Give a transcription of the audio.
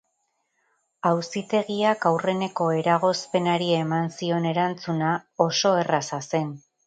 Auzitegiak aurreneko eragozpenari eman zion erantzuna oso erraza zen.